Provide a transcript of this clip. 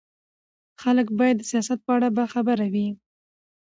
خلک باید د سیاست په اړه باخبره وي